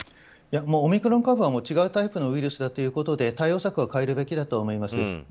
オミクロン株は違うタイプのウイルスだということで対応策は変えるべきだと思います。